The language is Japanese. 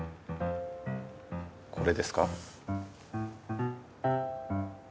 これですか？